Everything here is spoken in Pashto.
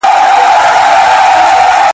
• خوله دي خپله، غول په وله.